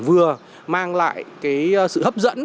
vừa mang lại sự hấp dẫn